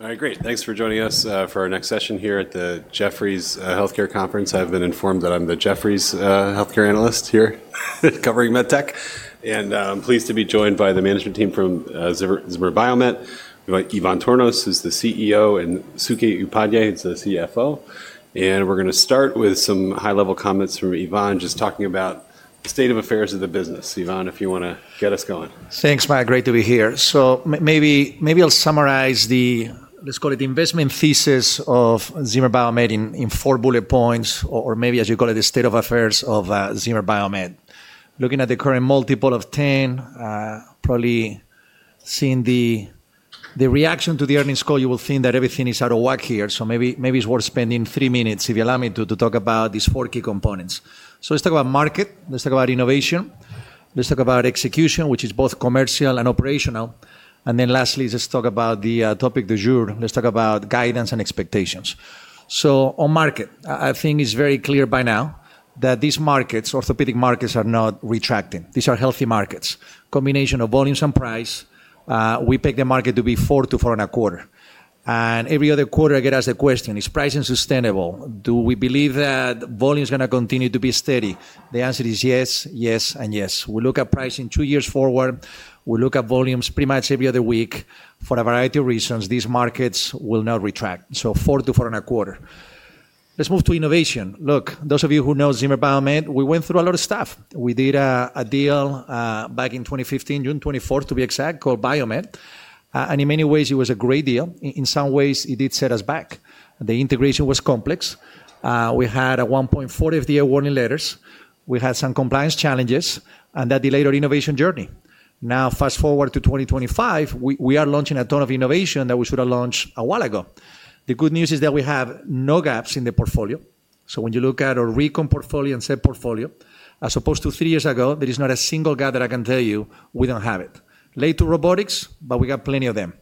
All right, great. Thanks for joining us for our next session here at the Jefferies Healthcare conference. I've been informed that I'm the Jefferies Healthcare Analyst here covering med tech, and I'm pleased to be joined by the management team from Zimmer Biomet, Ivan Tornos, who's the CEO, and Suke Upadhyay, who's the CFO. We're going to start with some high-level comments from Ivan, just talking about the state of affairs of the business. Ivan, if you want to get us going. Thanks, Matt. Great to be here. Maybe I'll summarize the, let's call it, investment thesis of Zimmer Biomet in four bullet points, or maybe, as you call it, the state of affairs of Zimmer Biomet. Looking at the current multiple of 10, probably seeing the reaction to the earnings call, you will think that everything is out of whack here. Maybe it's worth spending three minutes, if you allow me, to talk about these four key components. Let's talk about market. Let's talk about innovation. Let's talk about execution, which is both commercial and operational. Lastly, let's talk about the topic du jour. Let's talk about guidance and expectations. On market, I think it's very clear by now that these markets, orthopedic markets, are not retracting. These are healthy markets. Combination of volumes and price. We peg the market to be 4-4.25. And every other quarter, I get asked the question, is pricing sustainable? Do we believe that volume is going to continue to be steady? The answer is yes, yes, and yes. We look at pricing two years forward. We look at volumes pretty much every other week. For a variety of reasons, these markets will not retract. So 4-4.25. Let's move to innovation. Look, those of you who know Zimmer Biomet, we went through a lot of stuff. We did a deal back in 2015, June 24th, to be exact, called Biomet. And in many ways, it was a great deal. In some ways, it did set us back. The integration was complex. We had a $1.4 million FDA warning letter. We had some compliance challenges, and that delayed our innovation journey. Now, fast forward to 2025, we are launching a ton of innovation that we should have launched a while ago. The good news is that we have no gaps in the portfolio. When you look at our recon portfolio and set portfolio, as opposed to three years ago, there is not a single gap that I can tell you we do not have it. Late to robotics, but we got plenty of them.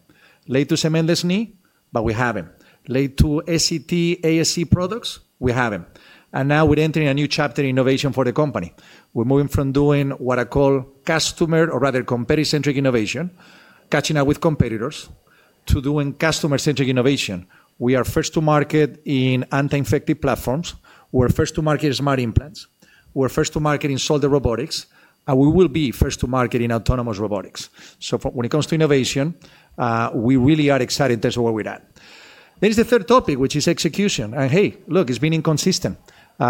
Late to cementless knee, but we have them. Late to ACT, ASC products, we have them. Now we are entering a new chapter in innovation for the company. We are moving from doing what I call customer, or rather competition-centric innovation, catching up with competitors, to doing customer-centric innovation. We are first to market in anti-infective platforms. We are first to market in smart implants. We are first to market in solder robotics. We will be first to market in autonomous robotics. When it comes to innovation, we really are excited in terms of where we are at. There is the third topic, which is execution. Hey, look, it has been inconsistent.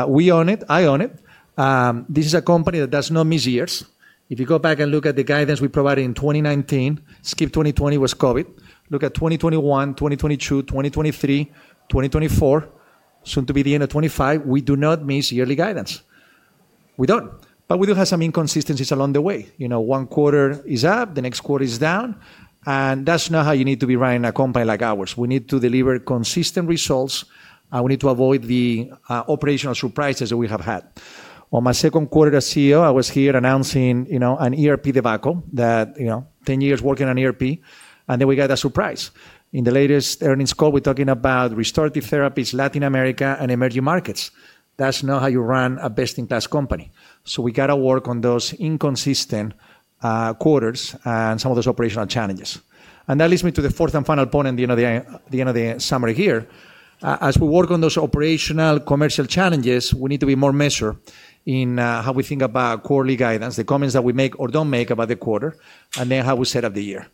We own it. I own it. This is a company that does not miss years. If you go back and look at the guidance we provided in 2019, skip 2020 with COVID. Look at 2021, 2022, 2023, 2024, soon to be the end of 2025. We do not miss yearly guidance. We do not. We do have some inconsistencies along the way. One quarter is up. The next quarter is down. That is not how you need to be running a company like ours. We need to deliver consistent results. We need to avoid the operational surprises that we have had. On my second quarter as CEO, I was here announcing an ERP debacle, that 10 years working on ERP. Then we got a surprise. In the latest earnings call, we are talking about restorative therapies, Latin America, and emerging markets. That is not how you run a best-in-class company. We got to work on those inconsistent quarters and some of those operational challenges. That leads me to the fourth and final point at the end of the summer here. As we work on those operational commercial challenges, we need to be more measured in how we think about quarterly guidance, the comments that we make or do not make about the quarter, and then how we set up the year.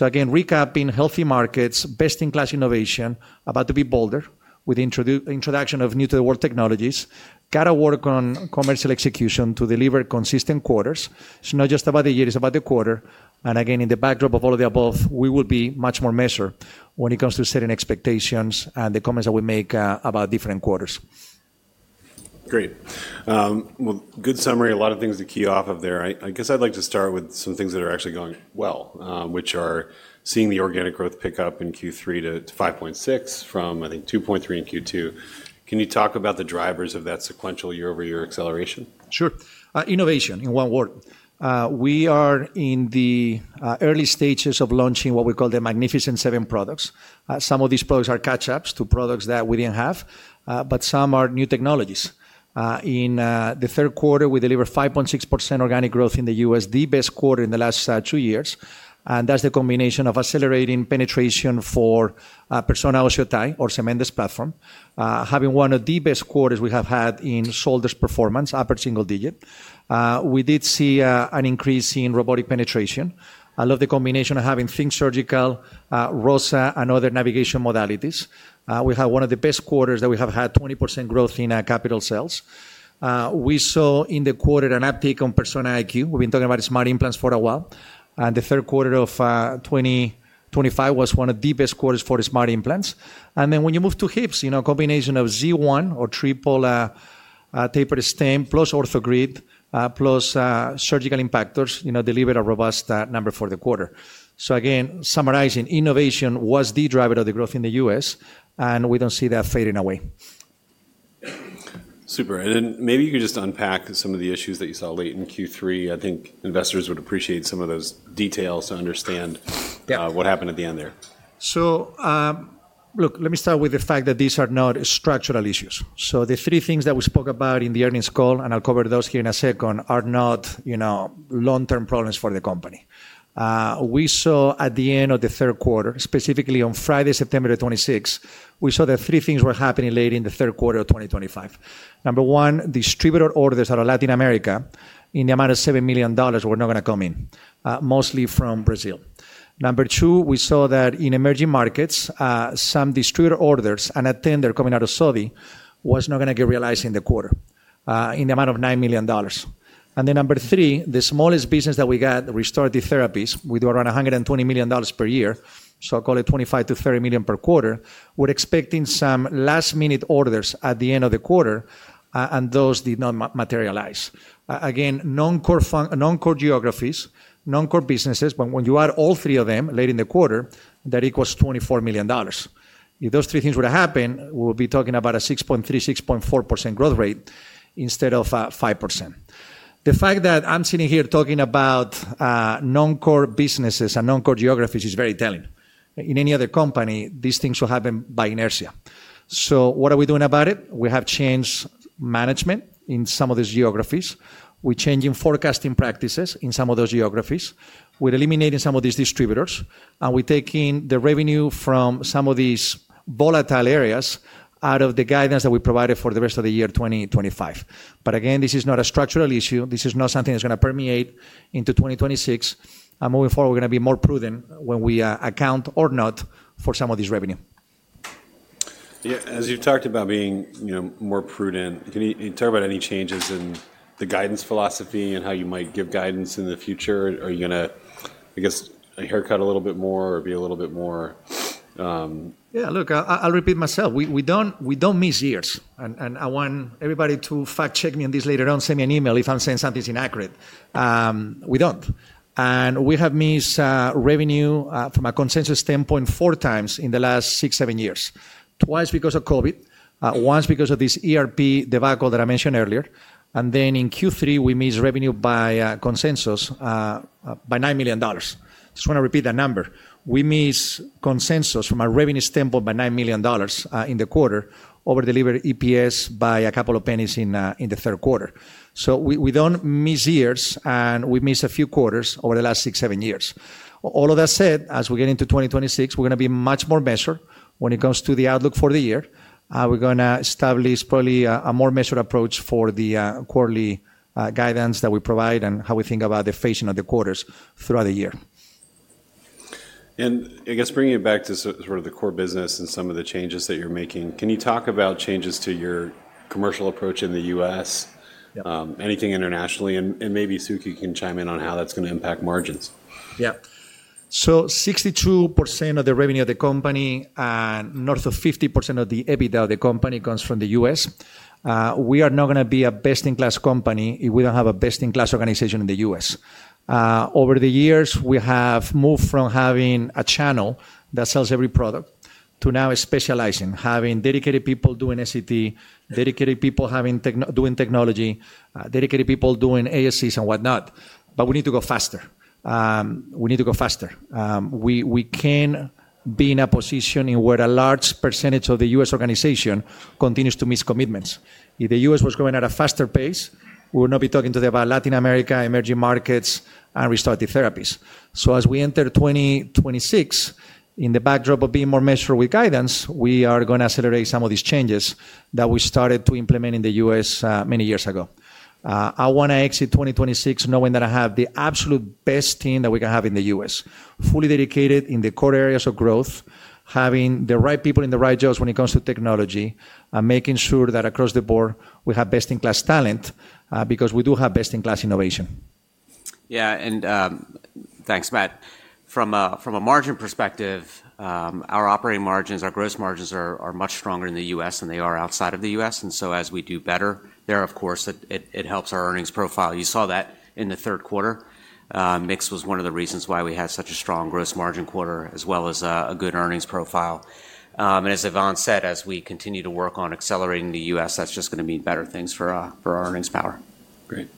Again, recapping healthy markets, best-in-class innovation, about to be bolder with the introduction of new-to-the-world technologies, got to work on commercial execution to deliver consistent quarters. It's not just about the year. It's about the quarter. Again, in the backdrop of all of the above, we will be much more measured when it comes to setting expectations and the comments that we make about different quarters. Great. Good summary. A lot of things to key off of there. I guess I'd like to start with some things that are actually going well, which are seeing the organic growth pick up in Q3 to 5.6% from, I think, 2.3% in Q2. Can you talk about the drivers of that sequential year-over-year acceleration? Sure. Innovation, in one word. We are in the early stages of launching what we call the Magnificent Seven products. Some of these products are catch-ups to products that we did not have, but some are new technologies. In the third quarter, we delivered 5.6% organic growth in the U.S., the best quarter in the last two years. That is the combination of accelerating penetration for Persona OsseoTi, our cementless platform, having one of the best quarters we have had in solder robotics performance, upper single digit. We did see an increase in robotic penetration. I love the combination of having Think Surgical, ROSA, and other navigation modalities. We have one of the best quarters that we have had, 20% growth in capital sales. We saw in the quarter an uptake on Persona IQ. We have been talking about smart implants for a while. The third quarter of 2025 was one of the best quarters for smart implants. When you move to hips, a combination of Z1 or triple-tapered Stem plus OrthoGrid plus surgical impactors delivered a robust number for the quarter. Again, summarizing, innovation was the driver of the growth in the U.S., and we do not see that fading away. Super. Maybe you could just unpack some of the issues that you saw late in Q3. I think investors would appreciate some of those details to understand what happened at the end there. Look, let me start with the fact that these are not structural issues. The three things that we spoke about in the earnings call, and I'll cover those here in a second, are not long-term problems for the company. We saw at the end of the third quarter, specifically on Friday, September 26th, we saw that three things were happening late in the third quarter of 2025. Number one, distributor orders out of Latin America in the amount of $7 million, were not going to come in, mostly from Brazil. Number two, we saw that in emerging markets, some distributor orders and a tender coming out of Saudi was not going to get realized in the quarter in the amount of $9 million. Number three, the smallest business that we got, restorative therapies, we do around $120 million per year. I'll call it $25-$30 million per quarter. We're expecting some last-minute orders at the end of the quarter, and those did not materialize. Again, non-core geographies, non-core businesses, but when you add all three of them late in the quarter, that equals $24 million. If those three things were to happen, we would be talking about a 6.3%-6.4% growth rate instead of 5%. The fact that I'm sitting here talking about non-core businesses and non-core geographies is very telling. In any other company, these things will happen by inertia. What are we doing about it? We have changed management in some of these geographies. We're changing forecasting practices in some of those geographies. We're eliminating some of these distributors. We're taking the revenue from some of these volatile areas out of the guidance that we provided for the rest of the year 2025. Again, this is not a structural issue. This is not something that's going to permeate into 2026. Moving forward, we're going to be more prudent when we account or not for some of this revenue. As you talked about being more prudent, can you talk about any changes in the guidance philosophy and how you might give guidance in the future? Are you going to, I guess, haircut a little bit more or be a little bit more? Yeah, look, I'll repeat myself. We don't miss years. I want everybody to fact-check me on this later on, send me an email if I'm saying something's inaccurate. We don't. We have missed revenue from a consensus standpoint four times in the last six, seven years. Twice because of COVID, once because of this ERP debacle that I mentioned earlier. In Q3, we missed revenue by consensus by $9 million. Just want to repeat that number. We missed consensus from a revenue standpoint by $9 million in the quarter, over delivered EPS by a couple of pennies in the third quarter. We don't miss years, and we miss a few quarters over the last six, seven years. All of that said, as we get into 2026, we're going to be much more measured when it comes to the outlook for the year. We're going to establish, probably a more measured approach for the quarterly guidance that we provide and how we think about the phasing of the quarters throughout the year. I guess bringing it back to sort of the core business and some of the changes that you're making, can you talk about changes to your commercial approach in the U.S., anything internationally? Maybe Suke can chime in on how that's going to impact margins. Yeah. So 62% of the revenue of the company and north of 50% of the EBITDA of the company comes from the U.S. We are not going to be a best-in-class company if we do not have a best-in-class organization in the U.S. Over the years, we have moved from having a channel that sells every product to now specializing, having dedicated people doing SCT, dedicated people doing technology, dedicated people doing ASCs and whatnot. We need to go faster. We need to go faster. We cannot be in a position where a large percentage of the U.S. organization continues to miss commitments. If the U.S. was going at a faster pace, we would not be talking today about Latin America, emerging markets, and restorative therapies. As we enter 2026, in the backdrop of being more measured with guidance, we are going to accelerate some of these changes that we started to implement in the U.S. many years ago. I want to exit 2026 knowing that I have the absolute best team that we can have in the U.S., fully dedicated in the core areas of growth, having the right people in the right jobs when it comes to technology, and making sure that across the board, we have best-in-class talent because we do have best-in-class innovation. Yeah. Thanks, Matt. From a margin perspective, our operating margins, our gross margins are much stronger in the U.S. than they are outside of the U.S. As we do better there, of course, it helps our earnings profile. You saw that in the third quarter. Mix was one of the reasons why we had such a strong gross margin quarter, as well as a good earnings profile. As Ivan said, as we continue to work on accelerating the U.S., that is just going to mean better things for our earnings power. Great.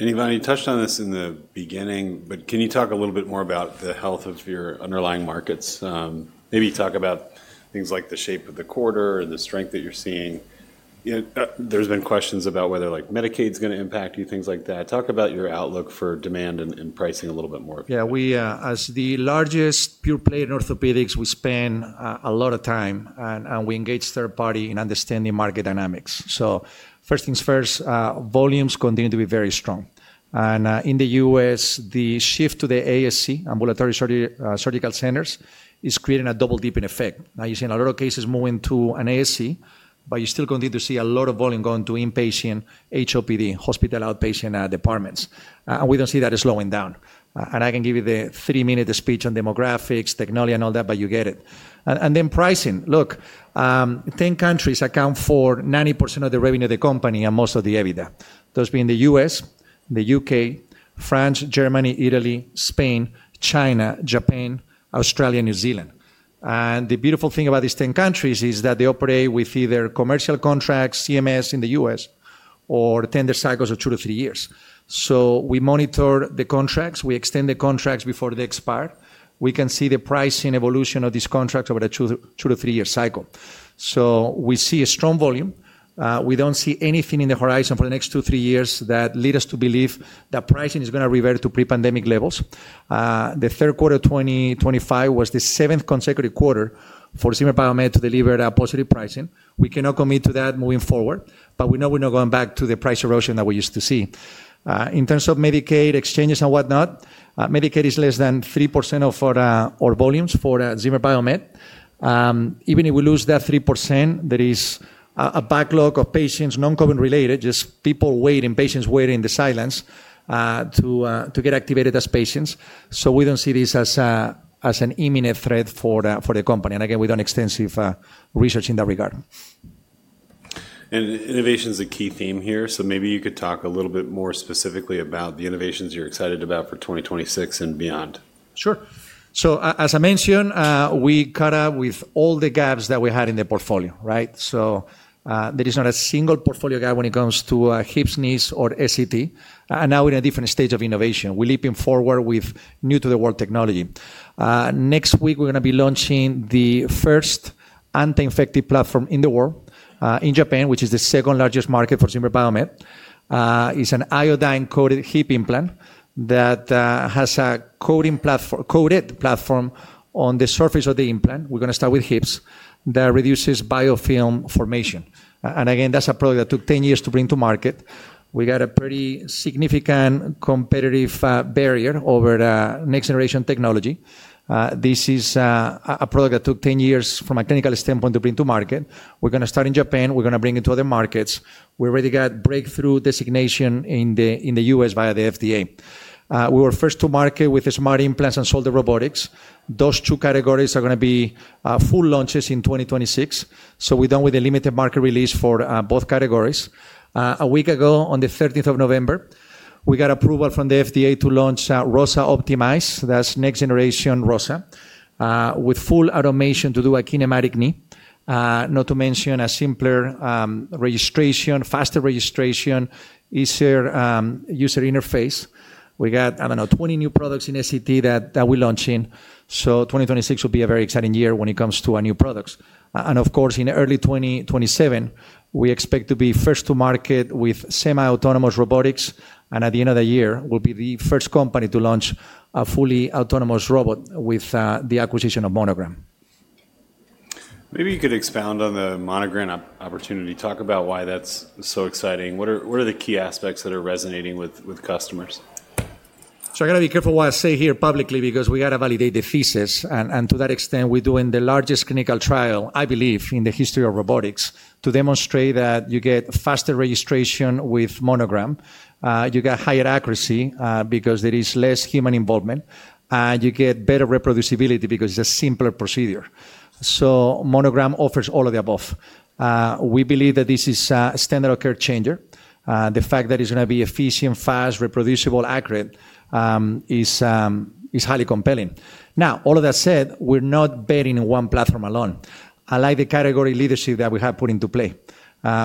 Ivan, you touched on this in the beginning, but can you talk a little bit more about the health of your underlying markets? Maybe talk about things like the shape of the quarter and the strength that you're seeing. There's been questions about whether Medicaid is going to impact you, things like that. Talk about your outlook for demand and pricing a little bit more. Yeah. As the largest pure-play in orthopedics, we spend a lot of time, and we engage third party in understanding market dynamics. First things first, volumes continue to be very strong. In the U.S., the shift to the ASC, Ambulatory Surgical Centers, is creating a double-dipping effect. Now you're seeing a lot of cases moving to an ASC, but you still continue to see a lot of volume going to inpatient, HOPD, Hospital Outpatient Departments. We don't see that slowing down. I can give you the three-minute speech on demographics, technology, and all that, but you get it. Pricing. Look, 10 countries account for 90% of the revenue of the company and most of the EBITDA. Those being the U.S., the U.K., France, Germany, Italy, Spain, China, Japan, Australia, and New Zealand. The beautiful thing about these 10 countries is that they operate with either commercial contracts, CMS in the U.S., or tender cycles of two to three years. We monitor the contracts. We extend the contracts before they expire. We can see the pricing evolution of these contracts over a two- to three-year cycle. We see a strong volume. We do not see anything on the horizon for the next two to three years that leads us to believe that pricing is going to revert to pre-pandemic levels. The third quarter of 2025 was the seventh consecutive quarter for Zimmer Biomet to deliver a positive pricing. We cannot commit to that moving forward, but we know we are not going back to the price erosion that we used to see. In terms of Medicaid exchanges and whatnot, Medicaid is less than 3% of our volumes for Zimmer Biomet. Even if we lose that 3%, there is a backlog of patients non-COVID related, just people waiting, patients waiting in the silence to get activated as patients. We do not see this as an imminent threat for the company. Again, we have done extensive research in that regard. Innovation is a key theme here. Maybe you could talk a little bit more specifically about the innovations you're excited about for 2026 and beyond. Sure. As I mentioned, we caught up with all the gaps that we had in the portfolio, right? There is not a single portfolio gap when it comes to hips, knees, or SCT. Now we're in a different stage of innovation. We're leaping forward with new-to-the-world technology. Next week, we're going to be launching the first anti-infective platform in the world in Japan, which is the second largest market for Zimmer Biomet. It's an iodine-coated hip implant that has a coated platform on the surface of the implant. We're going to start with hips that reduces biofilm formation. Again, that's a product that took 10 years to bring to market. We got a pretty significant competitive barrier over next-generation technology. This is a product that took 10 years from a clinical standpoint to bring to market. We're going to start in Japan. We're going to bring it to other markets. We already got breakthrough designation in the U.S. via the FDA. We were first to market with smart implants and solder robotics. Those two categories are going to be full launches in 2026. We're done with the limited market release for both categories. A week ago, on the 13th of November, we got approval from the FDA to launch ROSA OptimiZe. That's next-generation ROSA with full automation to do a kinematic knee, not to mention a simpler registration, faster registration, easier user interface. We got, I don't know, 20 new products in SCT that we're launching. 2026 will be a very exciting year when it comes to our new products. Of course, in early 2027, we expect to be first to market with semi-autonomous robotics. At the end of the year, we'll be the first company to launch a fully autonomous robot with the acquisition of Monogram. Maybe you could expound on the Monogram opportunity. Talk about why that's so exciting. What are the key aspects that are resonating with customers? I got to be careful what I say here publicly because we got to validate the thesis. To that extent, we're doing the largest clinical trial, I believe, in the history of robotics to demonstrate that you get faster registration with Monogram. You get higher accuracy because there is less human involvement. You get better reproducibility because it's a simpler procedure. Monogram offers all of the above. We believe that this is a standard of care changer. The fact that it's going to be efficient, fast, reproducible, accurate is highly compelling. Now, all of that said, we're not betting on one platform alone. I like the category leadership that we have put into play.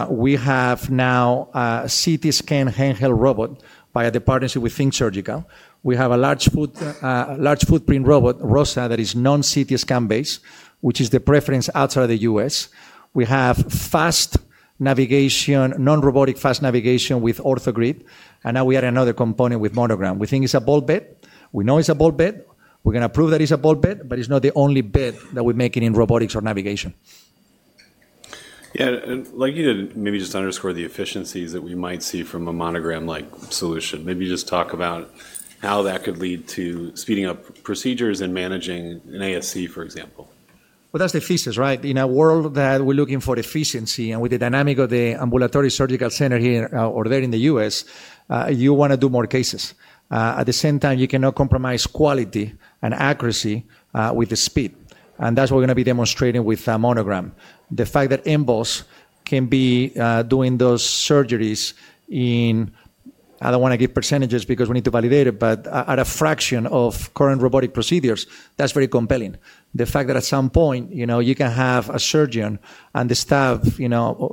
We have now a CT scan handheld robot via the partnership with Think Surgical. We have a large footprint robot, ROSA, that is non-CT scan-based, which is the preference outside of the U.S. We have fast navigation, non-robotic fast navigation with OrthoGrid. And now we add another component with Monogram. We think it's a bold bet. We know it's a bold bet. We're going to prove that it's a bold bet, but it's not the only bet that we're making in robotics or navigation. Yeah. Like you did, maybe just underscore the efficiencies that we might see from a Monogram-like solution. Maybe just talk about how that could lead to speeding up procedures and managing an ASC, for example. That's the thesis, right? In a world that we're looking for efficiency, and with the dynamic of the ambulatory surgical center here or there in the U.S., you want to do more cases. At the same time, you cannot compromise quality and accuracy with the speed. That's what we're going to be demonstrating with Monogram. The fact that AMBOSS can be doing those surgeries in, I don't want to give percentages because we need to validate it, but at a fraction of current robotic procedures, that's very compelling. The fact that at some point, you can have a surgeon and the staff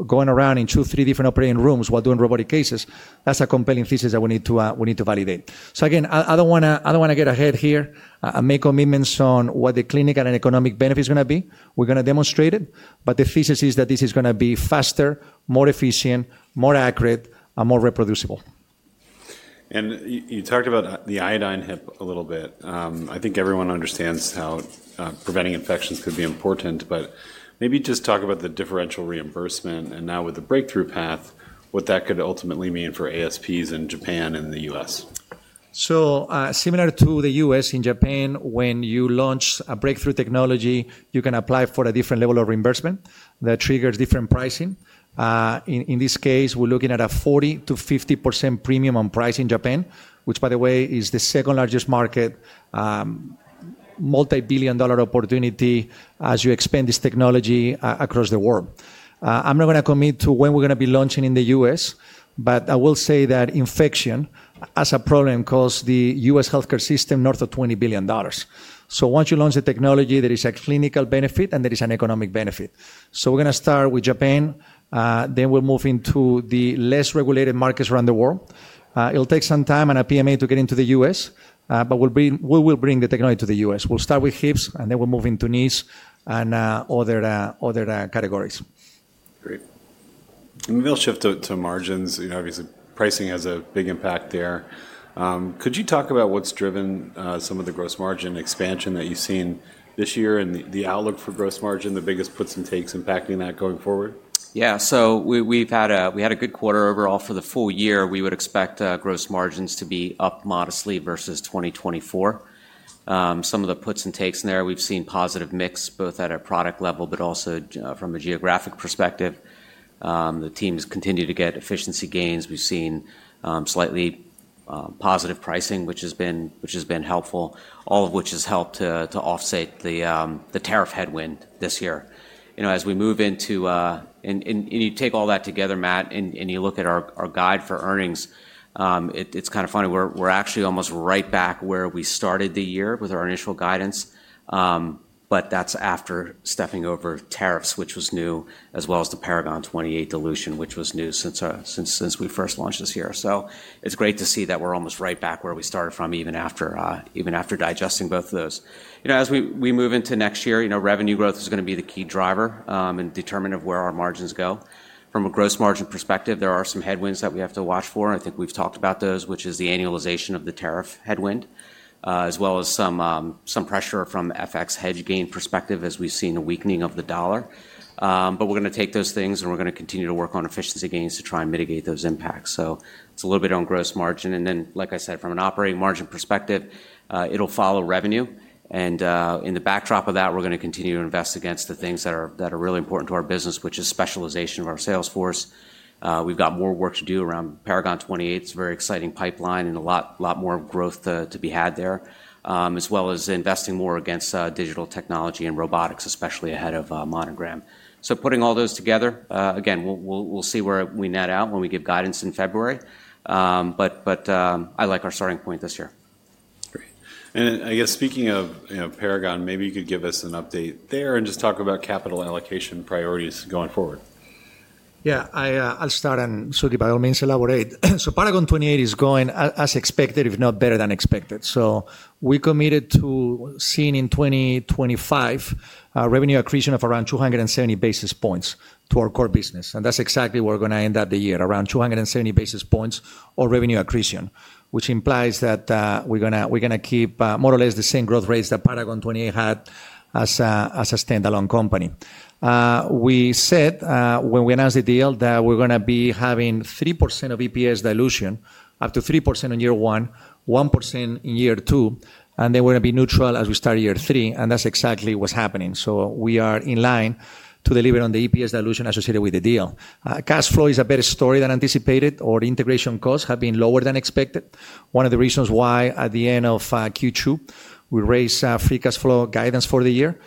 going around in two, three different operating rooms while doing robotic cases, that's a compelling thesis that we need to validate. Again, I don't want to get ahead here and make commitments on what the clinical and economic benefit is going to be. We're going to demonstrate it. The thesis is that this is going to be faster, more efficient, more accurate, and more reproducible. You talked about the iodine hip a little bit. I think everyone understands how preventing infections could be important, but maybe just talk about the differential reimbursement and now with the breakthrough path, what that could ultimately mean for ASPs in Japan and the U.S. Similar to the U.S., in Japan, when you launch a breakthrough technology, you can apply for a different level of reimbursement that triggers different pricing. In this case, we're looking at a 40%-50% premium on price in Japan, which, by the way, is the second largest market, multi-billion dollar opportunity as you expand this technology across the world. I'm not going to commit to when we're going to be launching in the U.S., but I will say that infection as a problem costs the U.S. healthcare system north of $20 billion. Once you launch the technology, there is a clinical benefit and there is an economic benefit. We're going to start with Japan. Then we'll move into the less-regulated markets around the world. It'll take some time and a PMA to get into the U.S., but we will bring the technology to the U.S. We'll start with hips, and then we'll move into NIST and other categories. Great. We will shift to margins. Obviously, pricing has a big impact there. Could you talk about what has driven some of the gross margin expansion that you have seen this year and the outlook for gross margin, the biggest puts and takes impacting that going forward? Yeah. So we've had a good quarter overall for the full year. We would expect gross margins to be up modestly versus 2024. Some of the puts and takes in there, we've seen positive mix both at a product level, but also from a geographic perspective. The teams continue to get efficiency gains. We've seen slightly positive pricing, which has been helpful, all of which has helped to offset the tariff headwind this year. As we move into, and you take all that together, Matt, and you look at our guide for earnings, it's kind of funny. We're actually almost right back where we started the year with our initial guidance, but that's after stepping over tariffs, which was new, as well as the Paragon 28 dilution, which was new since we first launched this year. It's great to see that we're almost right back where we started from, even after digesting both of those. As we move into next year, revenue growth is going to be the key driver and determinant of where our margins go. From a gross margin perspective, there are some headwinds that we have to watch for. I think we've talked about those, which is the annualization of the tariff headwind, as well as some pressure from FX hedge gain perspective, as we've seen a weakening of the dollar. We're going to take those things, and we're going to continue to work on efficiency gains to try and mitigate those impacts. It's a little bit on gross margin. Like I said, from an operating margin perspective, it'll follow revenue. In the backdrop of that, we're going to continue to invest against the things that are really important to our business, which is specialization of our sales force. We've got more work to do around Paragon 28. It's a very exciting pipeline and a lot more growth to be had there, as well as investing more against digital technology and robotics, especially ahead of Monogram. Putting all those together, again, we'll see where we net out when we give guidance in February. I like our starting point this year. Great. I guess speaking of Paragon, maybe you could give us an update there and just talk about capital allocation priorities going forward. Yeah. I'll start, and Suke Upadhyay will elaborate. Paragon 28 is going as expected, if not better than expected. We committed to seeing in 2025 a revenue accretion of around 270 basis points to our core business. That's exactly where we're going to end up the year, around 270 basis points of revenue accretion, which implies that we're going to keep more or less the same growth rates that Paragon 28 had as a standalone company. We said when we announced the deal that we're going to be having 3% of EPS dilution, up to 3% in year one, 1% in year two, and then we're going to be neutral as we start year three. That's exactly what's happening. We are in line to deliver on the EPS dilution associated with the deal. Cash flow is a better story than anticipated, or integration costs have been lower than expected. One of the reasons why, at the end of Q2, we raised free cash flow guidance for the year.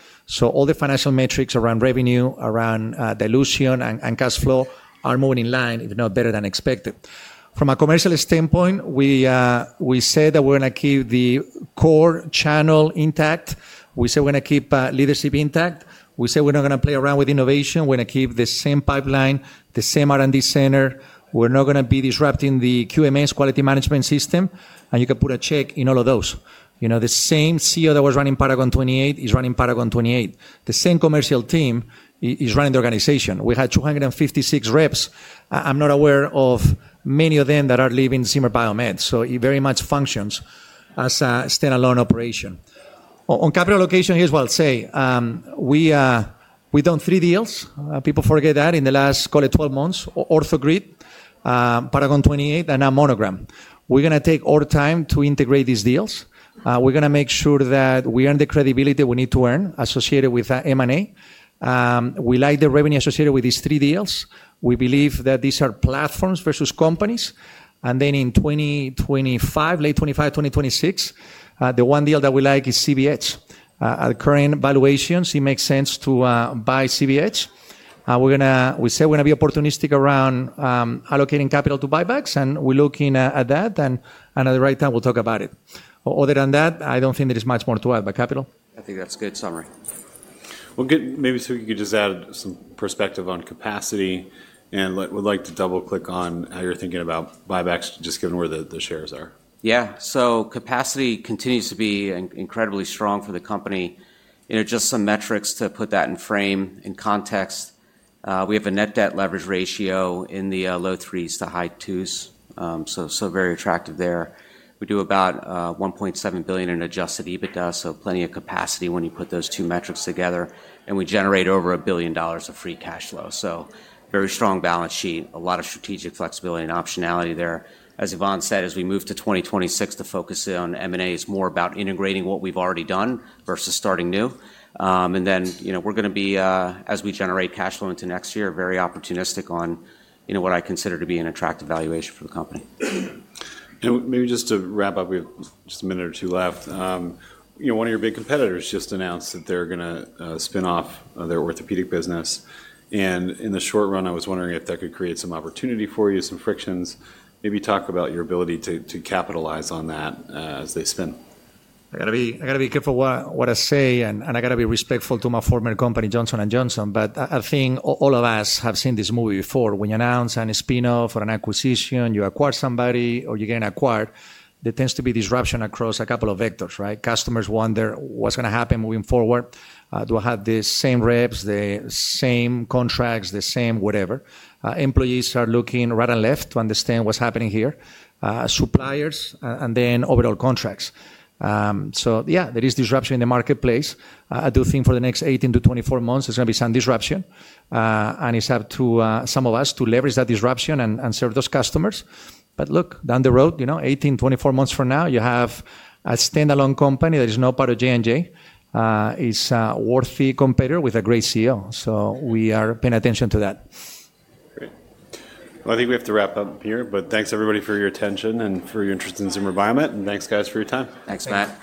All the financial metrics around revenue, around dilution, and cash flow are moving in line, if not better than expected. From a commercial standpoint, we said that we're going to keep the core channel intact. We said we're going to keep leadership intact. We said we're not going to play around with innovation. We're going to keep the same pipeline, the same R&D center. We're not going to be disrupting the QMS quality management system. You can put a check in all of those. The same CEO that was running Paragon 28 is running Paragon 28. The same commercial team is running the organization. We had 256 reps. I'm not aware of many of them that are leaving Zimmer Biomet. It very much functions as a standalone operation. On capital allocation, here's what I'll say. We've done three deals. People forget that in the last, call it, 12 months, OrthoGrid, Paragon 28, and now Monogram. We're going to take our time to integrate these deals. We're going to make sure that we earn the credibility we need to earn associated with M&A. We like the revenue associated with these three deals. We believe that these are platforms versus companies. In 2025, late 2025, 2026, the one deal that we like is CBH. At current valuations, it makes sense to buy CBH. We said we're going to be opportunistic around allocating capital to buybacks, and we're looking at that. At the right time, we'll talk about it. Other than that, I don't think there is much more to add about capital. I think that's a good summary. Maybe Suke could just add some perspective on capacity and would like to double-click on how you're thinking about buybacks, just given where the shares are. Yeah. Capacity continues to be incredibly strong for the company. Just some metrics to put that in frame, in context. We have a net debt leverage ratio in the low threes to high twos, so very attractive there. We do about $1.7 billion in adjusted EBITDA, so plenty of capacity when you put those two metrics together. We generate over $1 billion of free cash flow. Very strong balance sheet, a lot of strategic flexibility and optionality there. As Ivan said, as we move to 2026, the focus on M&A is more about integrating what we've already done versus starting new. As we generate cash flow into next year, very opportunistic on what I consider to be an attractive valuation for the company. Maybe just to wrap up, we have just a minute or two left. One of your big competitors just announced that they're going to spin off their orthopedic business. In the short run, I was wondering if that could create some opportunity for you, some frictions. Maybe talk about your ability to capitalize on that as they spin. I got to be careful what I say, and I got to be respectful to my former company, Johnson & Johnson. I think all of us have seen this movie before. When you announce a spinoff or an acquisition, you acquire somebody or you're getting acquired, there tends to be disruption across a couple of vectors, right? Customers wonder what's going to happen moving forward. Do I have the same reps, the same contracts, the same whatever? Employees are looking right and left to understand what's happening here, suppliers, and then overall contracts. Yeah, there is disruption in the marketplace. I do think for the next 18-24 months, there's going to be some disruption. It's up to some of us to leverage that disruption and serve those customers. Look, down the road, 18-24 months from now, you have a standalone company that is not part of J&J. It's a worthy competitor with a great CEO. We are paying attention to that. Great. I think we have to wrap up here, but thanks everybody for your attention and for your interest in Zimmer Biomet. Thanks, guys, for your time. Thanks, Matt.